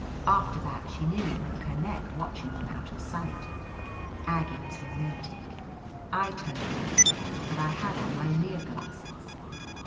After that she nearly broke her neck watching them out of sight. Aggie is ro mantic. I turned around, but I had on my near glasses.